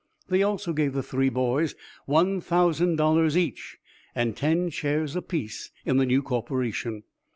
They also gave the three boys one thousand dollars each and ten shares apiece in the new corporation.